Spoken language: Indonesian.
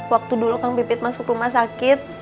waktu dulu kang pipit masuk rumah sakit